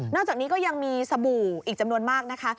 จากนี้ก็ยังมีสบู่อีกจำนวนมากนะคะ